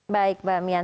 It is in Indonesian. baik mbak mian